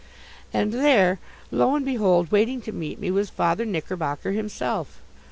And there, lo and behold, waiting to meet me, was Father Knickerbocker himself!